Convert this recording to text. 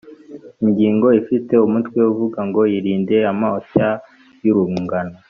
Ingingo ifite umutwe uvuga ngo Irinde amoshya y ‘urungano